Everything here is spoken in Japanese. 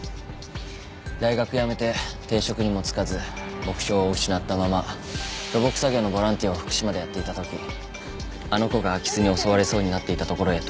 大学辞めて定職にも就かず目標を失ったまま土木作業のボランティアを福島でやっていた時あの子が空き巣に襲われそうになっていたところへ